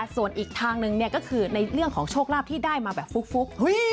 ส่วนอีกทางหนึ่งก็คือในเรื่องของโชคลาภที่ได้มาแบบฟุก